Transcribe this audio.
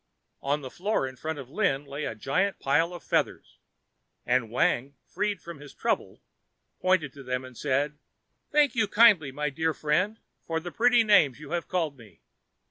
On the floor in front of Lin lay a great pile of feathers, and Wang freed from his trouble, pointed to them and said, "Thank you kindly, my dear friend, for the pretty names you have called me.